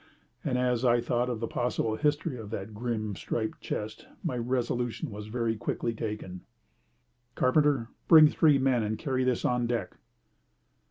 And as I thought of the possible history of that grim striped chest my resolution was very quickly taken. "Carpenter, bring three men, and carry this on deck."